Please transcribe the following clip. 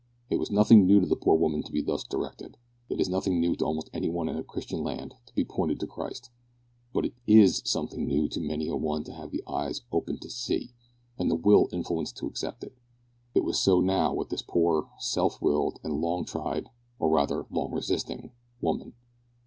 It was nothing new to the poor woman to be thus directed. It is nothing new to almost any one in a Christian land to be pointed to Christ; but it is something new to many a one to have the eyes opened to see, and the will influenced to accept. It was so now with this poor, self willed, and long tried or, rather, long resisting woman.